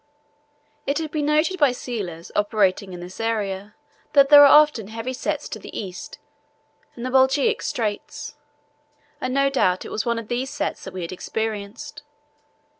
It has been noted by sealers operating in this area that there are often heavy sets to the east in the Belgica Straits, and no doubt it was one of these sets that we had experienced.